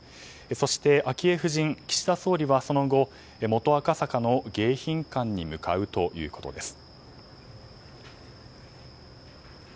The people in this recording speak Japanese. そして昭恵夫人、岸田総理はその後、元赤坂迎賓館に向かうということです。